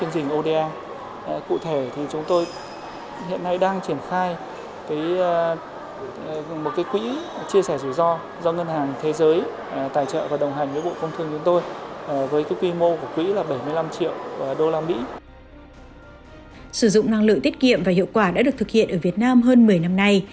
sử dụng năng lượng tiết kiệm và hiệu quả đã được thực hiện ở việt nam hơn một mươi năm nay